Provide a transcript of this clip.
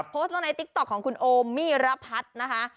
โพสต์ลงในติ๊กต๊อกของคุณโอมมี่ระพัฒน์นะคะ